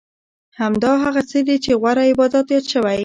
همدا هغه څه دي چې غوره عبادت یاد شوی.